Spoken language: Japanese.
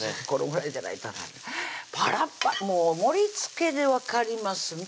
このぐらいじゃないとあかんパラパもう盛りつけで分かります